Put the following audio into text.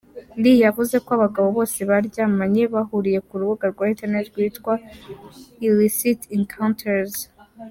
Lee yavuze ko abagabo bose baryamanye bahuriye ku rubuga rwa internet rwitwa IllicitEncounters.